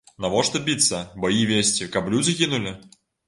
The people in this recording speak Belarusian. Навошта біцца, баі весці, каб людзі гінулі?